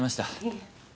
いえ。